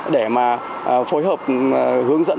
để phối hợp hướng dẫn